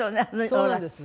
そうなんです。